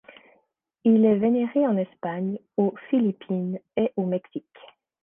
Il est vénéré en Espagne, au Philippines et au Mexique.